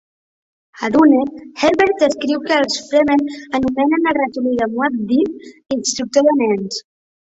A "Dune", Herbert escriu que els Fremen anomenen el ratolí de Muad'Dib "instructor de nens".